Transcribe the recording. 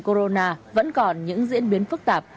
corona vẫn còn những diễn biến phức tạp